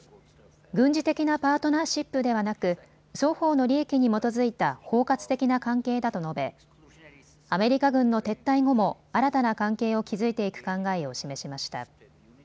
軍事的なパートナーシップではなく、双方の利益に基づいた包括的な関係だと述べアメリカ軍の撤退後も新たな関係を築いていく考えを示しました。